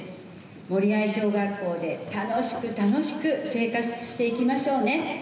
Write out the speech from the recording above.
森合小学校で楽しく楽しく生活していきましょうね。